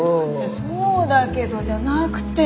「そうだけど」じゃなくて。